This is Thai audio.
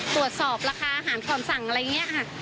ตรวจสอบราคาอาหารผ่อนสั่งอะไรอย่างเงี้ย